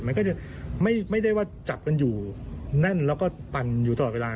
มันก็จะไม่ได้ว่าจับกันอยู่แน่นแล้วก็ปั่นอยู่ตลอดเวลา